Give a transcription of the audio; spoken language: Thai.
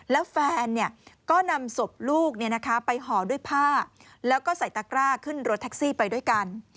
แล้วแฟนก็นำศพลูกไปห่อด้วยผ้าแล้วก็ใส่ตะกร้าขึ้นรถแท็กซี่ไปด้วยกัน